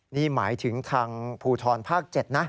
นี่หมายถึงทางภูทรภาค๗นะ